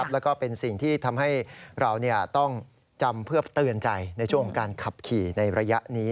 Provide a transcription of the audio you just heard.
แล้วก็เป็นสิ่งที่ทำให้เราต้องจำเพื่อเตือนใจในช่วงของการขับขี่ในระยะนี้